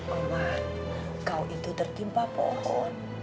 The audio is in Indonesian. allah kau itu tertimpa pohon